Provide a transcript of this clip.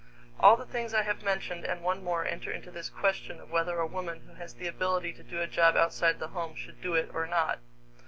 All the things I have mentioned and one more enter into this question of whether a woman who has the ability to do a job outside the home should do it or not.